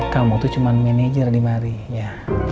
kamu tuh cuma manajer di mari ya